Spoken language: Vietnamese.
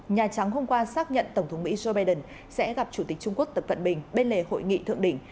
nhà trắng hôm qua xác nhận tổng thống mỹ joe biden sẽ gặp chủ tịch trung quốc tập cận bình bên lề hội nghị thượng đỉnh